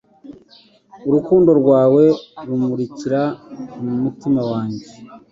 Urukundo rwawe rumurikira mu mutima wanjye